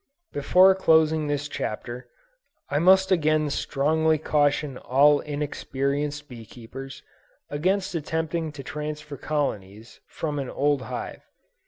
Before closing this Chapter, I must again strongly caution all inexperienced bee keepers, against attempting to transfer colonies from an old hive.